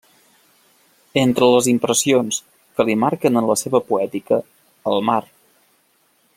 Entre les impressions que li marquen en la seva poètica: el mar.